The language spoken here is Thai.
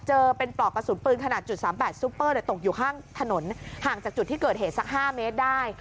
เจอเป็นปลอกกระสุนปืนขนาด๓๘ซุปเปอร์ตกอยู่ข้างถนนห่างจากจุดที่เกิดเหตุสัก๕เมตรได้